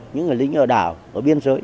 những người lính ở đảo ở biên giới